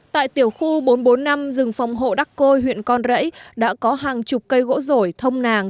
tại tiểu khu bốn trăm bốn mươi năm rừng phòng hộ đắc côi huyện con rẫy đã có hàng chục cây gỗ rổi thông nàng